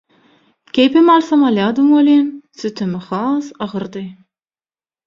Keýpem alsam alýadym welin, sütemi has agyrdy.